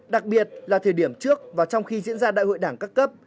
đặc biệt là thời điểm trước và trong khi diễn ra đại hội đảng các cấp